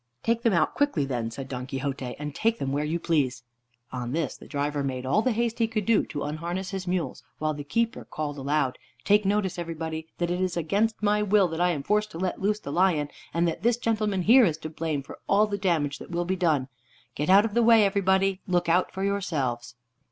"Take them out quickly, then," said Don Quixote, "and take them where you please." On this the driver made all the haste he could to unharness his mules, while the keeper called aloud, "Take notice, everybody, that it is against my will that I am forced to let loose the lion, and that this gentleman here is to blame for all the damage that will be done. Get out of the way, everybody: look out for yourselves."